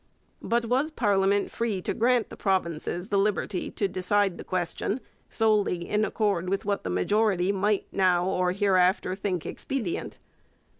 But was parliament free to grant the provinces the liberty to decide the question solely in accord with what the majority might now or hereafter think expedient?